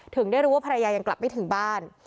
ถึงได้รู้ว่าภรรยายังกลับไม่ถึงบ้าน